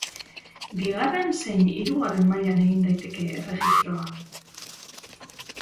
Bigarren zein hirugarren mailan egin daiteke erregistroa.